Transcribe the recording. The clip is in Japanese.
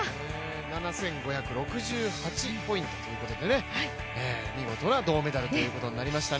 ７５００、６８ポイントということで、見事な銅メダルということになりましたね。